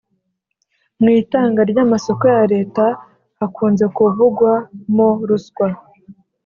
mwitanga ryamasoko ya leta hakunze kuvugwa mo ruswa